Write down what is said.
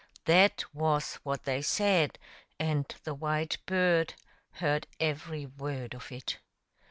That was what they said, and the white bird heard every word of it.